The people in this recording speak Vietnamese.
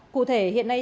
cụ thể hiện nay